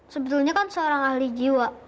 sebetulnya kan seorang ahli jiwa